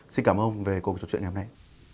xin cảm ơn ông về cuộc trò chuyện ngày hôm nay